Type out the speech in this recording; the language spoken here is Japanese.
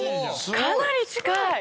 かなり近い！